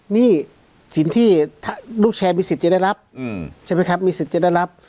หนี้สินที่ถ้าลูกแชร์มีสิทธิ์จะได้รับใช่ไหมครับมีสิทธิ์จะได้รับ